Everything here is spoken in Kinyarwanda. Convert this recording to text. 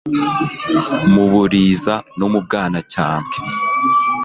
mu Buliza no mu Bwanacyambwe.